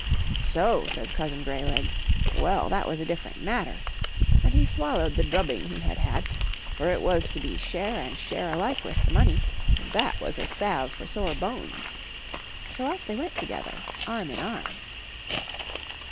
" So !" says Cousin Greylegs. " Well, that was a different matter ;" and he swallowed the drubbing he had had, for it was to be share and share alike with the money, and that was a salve for sore bones. So off they went together arm in arm.